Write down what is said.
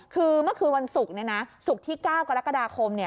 คือเมื่อคืนวันศุกร์ศุกร์ที่๙กรกฎาคม